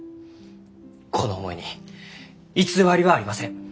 この思いに偽りはありません。